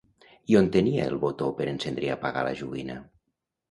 I on tenia el botó per encendre i apagar la joguina?